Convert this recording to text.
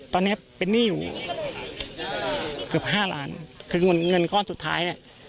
ตอนนี้เป็นหนี้อยู่นี่เกือบห้าล้านคือเงินเงินก้อนสุดท้ายเนี่ย